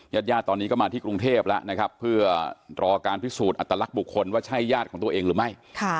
ญาติญาติตอนนี้ก็มาที่กรุงเทพแล้วนะครับเพื่อรอการพิสูจน์อัตลักษณ์บุคคลว่าใช่ญาติของตัวเองหรือไม่